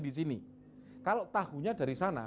di sini kalau tahunya dari sana